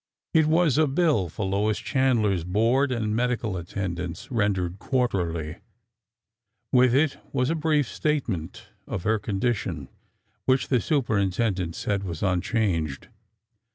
It was a bill for Lois Chandler's board and medical at tendance, rendered quarterly. With it was a brief state ment of her condition, which the superintendent said was unchanged.